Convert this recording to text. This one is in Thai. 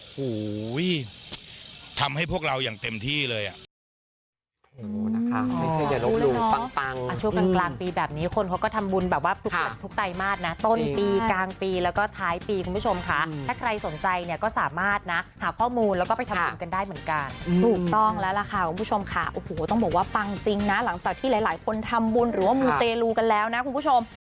โอ้โหทำให้พวกเราอย่างเต็มที่เลยอ่ะ